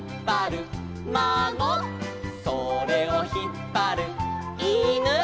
「それをひっぱるいぬ」